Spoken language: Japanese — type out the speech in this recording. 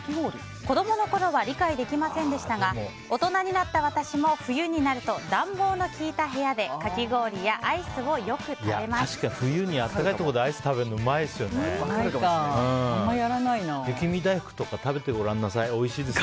子供のころは理解できませんでしたが大人になった私も、冬になると暖房の効いた部屋でかき氷やアイスをよく食べます。